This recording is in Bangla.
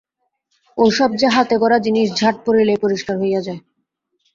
ও-সব যে হাতে-গড়া জিনিস, ঝাঁট পড়িলেই পরিষ্কার হইয়া যায়।